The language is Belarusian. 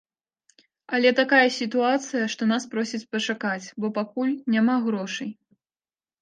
Але такая сітуацыя, што нас просяць пачакаць, бо пакуль няма грошай.